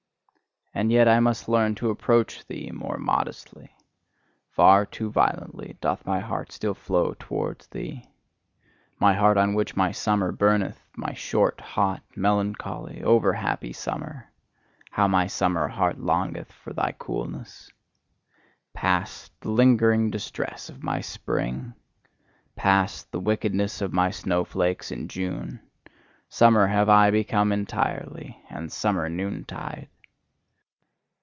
And yet must I learn to approach thee more modestly: far too violently doth my heart still flow towards thee: My heart on which my summer burneth, my short, hot, melancholy, over happy summer: how my summer heart longeth for thy coolness! Past, the lingering distress of my spring! Past, the wickedness of my snowflakes in June! Summer have I become entirely, and summer noontide!